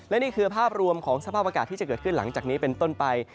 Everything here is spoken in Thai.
และนี่คือภาพรวมของสภาพอากาศที่จะเกิดขึ้นหลังจากนี้เป็นต้นไป